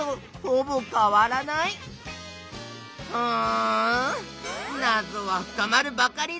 うんなぞは深まるばかりだ。